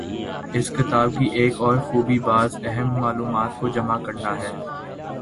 اس کتاب کی ایک اور خوبی بعض اہم معلومات کو جمع کرنا ہے۔